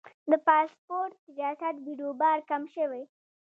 د پاسپورت ریاست بیروبار کم شوی؟